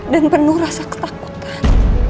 dan penuh rasa ketakutan